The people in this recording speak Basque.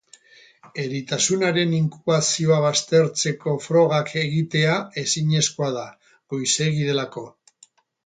Eritasunaren inkubazioa baztertzeko frogak egitea ezinezkoa da, goizegi delako.